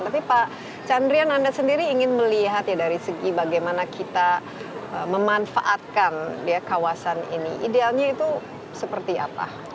tapi pak chandrian anda sendiri ingin melihat ya dari segi bagaimana kita memanfaatkan kawasan ini idealnya itu seperti apa